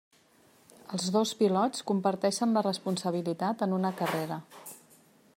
Els dos pilots comparteixen la responsabilitat en una carrera.